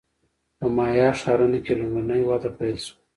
په مایا ښارونو کې لومړنۍ وده پیل شوه